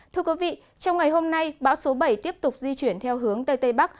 thưa quý vị trong ngày hôm nay bão số bảy tiếp tục di chuyển theo hướng tây tây bắc